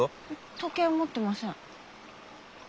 時計持ってません。